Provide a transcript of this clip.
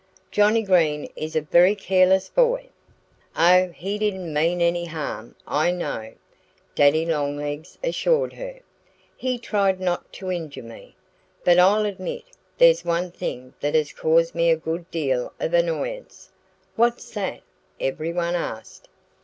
"Johnnie Green is a very careless boy." "Oh, he didn't mean any harm, I know," Daddy Longlegs assured her. "He tried not to injure me.... But I'll admit there's one thing that has caused me a good deal of annoyance." "What's that?" everyone asked.